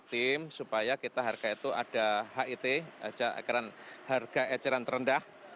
tim supaya kita harga itu ada hit harga eceran terendah